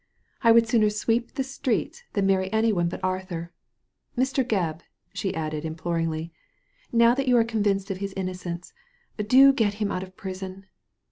" I would sooner sweep the streets than marry any one but Arthur. Mr. Grebb,*' she added imploringly, " now that you are convinced of his innocence, do get him out of prison.